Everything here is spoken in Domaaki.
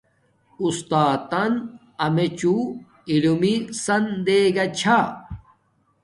اُستاتن امیچون علمݵ سن دیگا چھا